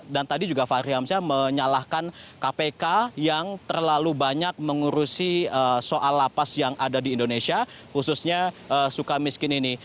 dan tadi juga fahri hamzah menyalahkan kpk yang terlalu banyak mengurusi soal lapas yang ada di indonesia khususnya suka miskin ini